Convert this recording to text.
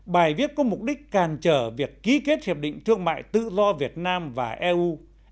bài viết có mục đích càn trở việc ký kết hiệp định thương mại tự do việt nam và eu